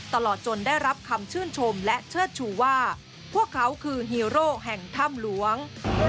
ตลอดจนได้รับคำชื่นชมและเชิดชูว่าพวกเขาคือฮีโร่แห่งถ้ำหลวง